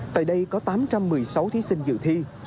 tại đây có tám trăm một mươi sáu thí sinh dự thi